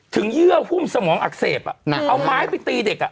ถึงเยื่อหุ้มสมองอักเสบเอาข้าวไปตีเด็ก